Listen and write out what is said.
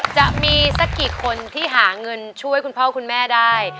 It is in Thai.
จะมีสักกี่คนที่หาเงินช่วยคุณพ่อคุณแม่ได้